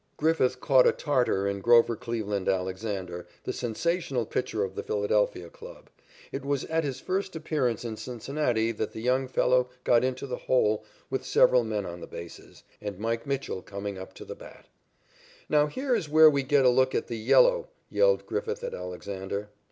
Griffith caught a Tartar in Grover Cleveland Alexander, the sensational pitcher of the Philadelphia club. It was at his first appearance in Cincinnati that the young fellow got into the hole with several men on the bases, and "Mike" Mitchell coming up to the bat. "Now here is where we get a look at the 'yellow,'" yelled Griffith at Alexander.